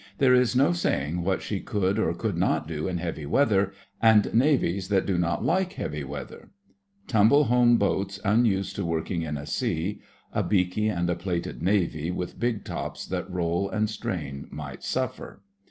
There is no saying what she could or could not do in heavy weather, and Navies that do not like heavy weather; tumble home boats unused to working in a sea; a beaky and a plated Navy, with big tops that roll and strain, might suffer.